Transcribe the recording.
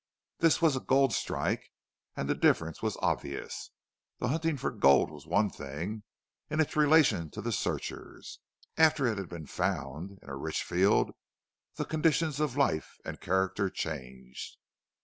This was a gold strike, and the difference was obvious. The hunting for gold was one thing, in its relation to the searchers; after it had been found, in a rich field, the conditions of life and character changed.